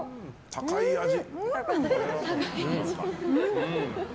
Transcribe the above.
高い味！